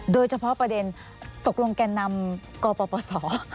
โดยเฉพาะประเด็นตกลงแก่นำกปศ